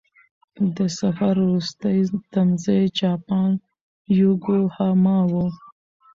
د سفر وروستی تمځی جاپان یوکوهاما و.